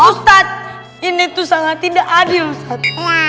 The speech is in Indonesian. ustadz ini tuh sangat tidak adil fatma